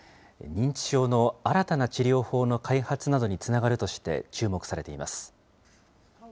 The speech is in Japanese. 認知症の新たな治療法の開発などにつながるとして、注目されています。